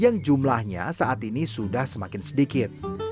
yang jumlahnya saat ini sudah semakin sedikit